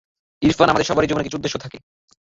ইরফান আমাদের সবারই জীবনে কিছু উদ্দেশ্য থাকে।